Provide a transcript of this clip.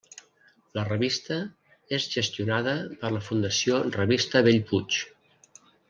La revista és gestionada per la Fundació Revista Bellpuig.